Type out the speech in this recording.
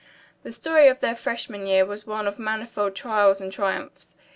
The story of their freshman year was one of manifold trials and triumphs.